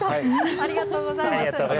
ありがとうございます。